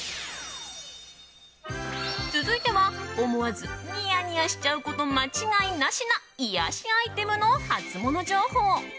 続いては思わずニヤニヤしちゃうこと間違いなしな癒やしアイテムのハツモノ情報。